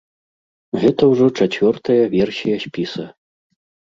Гэта ўжо чацвёртая версія спіса.